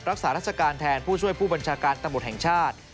รักษาราชการแทนผู้ช่วยผู้บัญชาการตำรวจแห่งชาติ